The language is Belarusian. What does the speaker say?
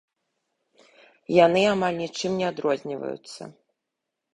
Яны амаль нічым не адрозніваюцца.